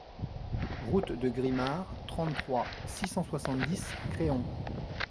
Route de Grimard, trente-trois, six cent soixante-dix Créon